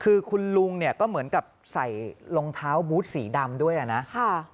คือคุณลุงเนี่ยก็เหมือนกับใส่รองเท้าบูธสีดำด้วยอ่ะนะ